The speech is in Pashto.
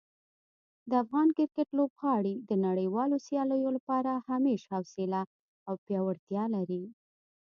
د افغان کرکټ لوبغاړي د نړیوالو سیالیو لپاره همیش حوصله او پیاوړتیا لري.